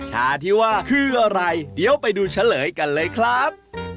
ชาที่ว่าคืออะไรเดี๋ยวไปดูเฉลยกันเลยครับ